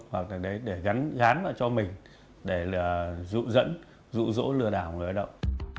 hoặc là để gắn vào cho mình để dụ dẫn dụ dỗ lừa đảo người lao động